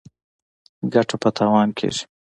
ګټه په تاوان کیږي.